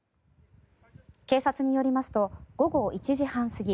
警察によりますと午後１時半過ぎ